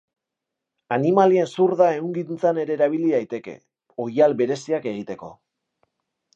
Animalien zurda ehungintzan ere erabili daiteke, oihal bereziak egiteko.